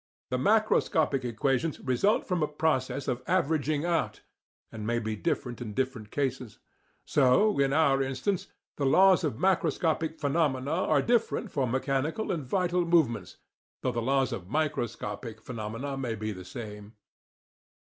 The macroscopic equations result from a process of averaging out, and may be different in different cases. So, in our instance, the laws of macroscopic phenomena are different for mechanical and vital movements, though the laws of microscopic phenomena may be the same.